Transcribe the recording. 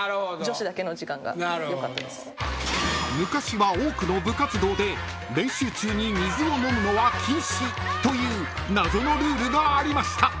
［昔は多くの部活動で練習中に水を飲むのは禁止という謎のルールがありました］